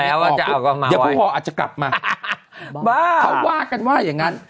เดี๋ยวผู้พออาจจะกลับมาบ้าเขาว่ากันว่าอย่างงั้น